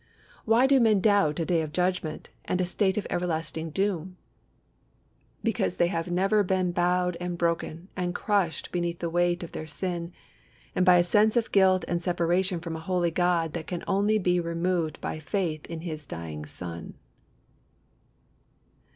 Why do men doubt a Day of Judgment, and a state of everlasting doom? Because they have never been bowed and broken and crushed beneath the weight of their sin, and by a sense of guilt and separation from a holy God that can only be removed by faith in His dying Son.